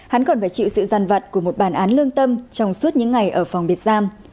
hắn còn phải chịu sự giàn vật của một bản án lương tâm trong suốt những ngày ở phòng biệt giam